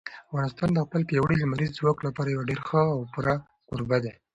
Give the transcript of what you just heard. افغانستان د خپل پیاوړي لمریز ځواک لپاره یو ډېر ښه او پوره کوربه دی.